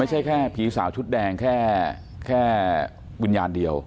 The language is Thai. ไม่ใช่แค่ผีสาวชุดแดงแค่วิญญาณเดียว